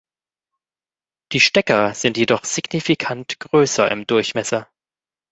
Die Stecker sind jedoch signifikant größer im Durchmesser.